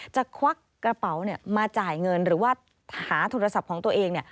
ควักกระเป๋ามาจ่ายเงินหรือว่าหาโทรศัพท์ของตัวเอง